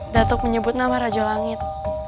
datuk menyebut nama raju langit